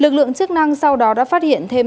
lực lượng chức năng sau đó đã phát hiện thêm